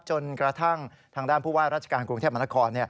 จนกระทั่งทางด้านผู้ว่าราชการกรุงเทพมนาคม